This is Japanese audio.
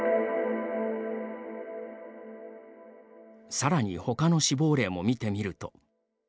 さらにほかの死亡例も見てみると。